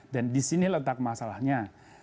dan di sini letak masalahnya